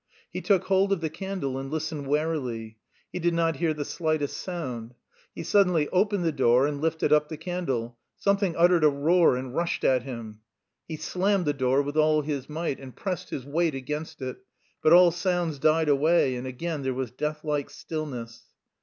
He took hold of the handle and listened warily; he did not hear the slightest sound. He suddenly opened the door and lifted up the candle: something uttered a roar and rushed at him. He slammed the door with all his might and pressed his weight against it; but all sounds died away and again there was deathlike stillness.